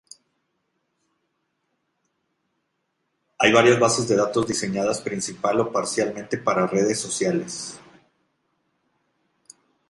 Hay varias bases de datos diseñadas principal o parcialmente para redes sociales.